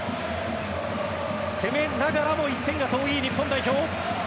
攻めながらも１点が遠い日本代表。